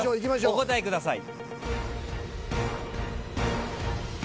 お答えください。